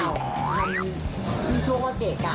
ทำชื่อช่วงว่าเก๋กอ่ะ